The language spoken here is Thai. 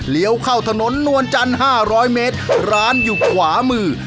เลี้ยวเข้าถนนนวลจันทร์ห้าร้อยเมตรร้านอยู่ขวามือ